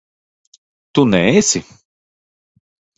Tu neesi?